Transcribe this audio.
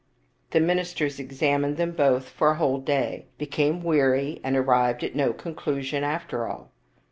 The ministers examined them both for a whole day, became weary, and arrived at no conclu sion after all.